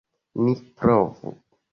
Ni provu!